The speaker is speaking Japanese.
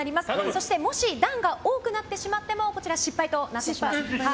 そしてもし段が多くなってしまってもこちら失敗となってしまいます。